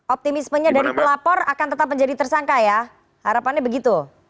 optimismenya dari pelapor akan tetap menjadi tersangka ya harapannya begitu